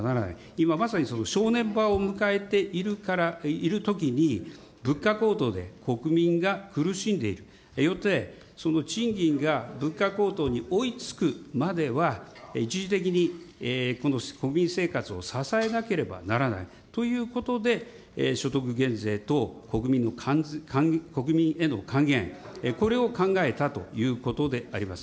今まさにその正念場を迎えているときに物価高騰で国民が苦しんでいる、よって、その賃金が物価高騰に追いつくまでは、一時的に国民生活を支えなければならないということで、所得減税等、国民への還元、これを考えたということであります。